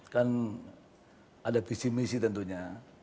kan ada visi misi tentunya